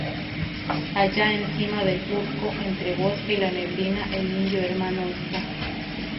Allá en cima del urco, entre bosque y la neblina el indio hermano esta".